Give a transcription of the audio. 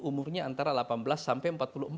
umurnya antara delapan belas sampai empat puluh empat